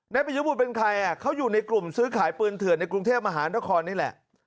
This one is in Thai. นายประยุบุตรเป็นใครเขาอยู่ในกลุ่มซื้อขายปืนเถื่อนในกรุงเทพมหานครนี่แหละ